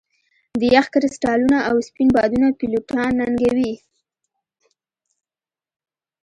د یخ کرسټالونه او سپین بادونه پیلوټان ننګوي